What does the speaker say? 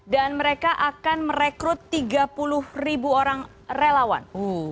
dan mereka akan merekrut tiga puluh ribu orang relawan